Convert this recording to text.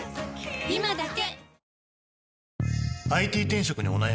今だけ！